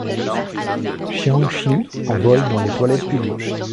Shiang-chyi en vole dans les toilettes publiques.